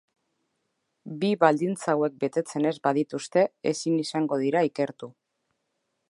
Bi baldintza hauek betetzen ez badituzte ezin izango dira ikertu.